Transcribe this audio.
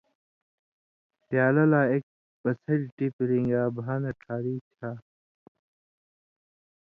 پیالہ لا ایک پڅھلیۡ ٹِپیۡ رِن٘گا بھا نہ ڇھاری چھا۔